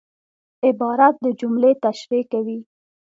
عبارت د جملې تشریح کوي.